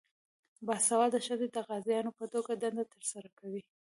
باسواده ښځې د قاضیانو په توګه دنده ترسره کوي.